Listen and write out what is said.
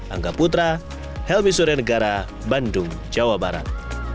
angga putra helmi surya negara bandung jawa barat